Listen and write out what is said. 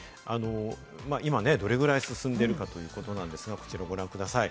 今どれぐらい進んでいるかってことなんですけれども、こちらをご覧ください。